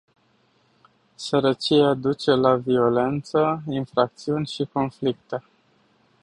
Sărăcia duce la violență, infracțiuni și conflicte.